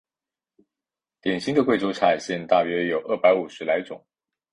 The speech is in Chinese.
典型的贵州菜现有大约有二百五十来种。